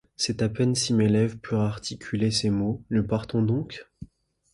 C’est à peine si mes lèvres purent articuler ces mots :« Nous partons donc ?